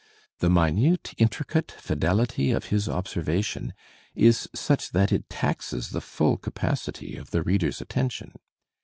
The minute, intricate fidelity of his observation is such that it taxes the full capacity of the reader's attention.